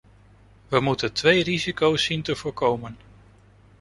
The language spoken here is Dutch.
We moeten twee risico's zien te voorkomen.